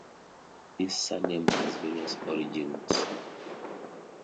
This surname has various origins.